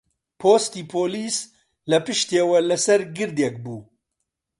پۆستی پۆلیس لە پشتیەوە لەسەر گردێک بوو